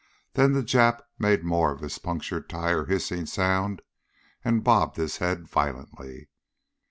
Then the Jap made more of his punctured tire hissing sound and bobbed his head violently.